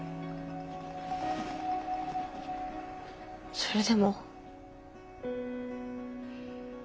それでも。